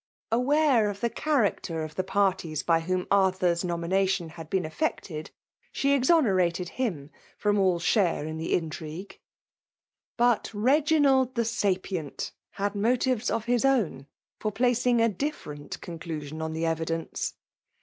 ^ Aware of the character of the parties by whom Arthur*8 nomination had been ef fected> she exonerated him from all share ia the intrigue. But Beginald the Sapient had motives of his own for placing a different conclunon on the evidence.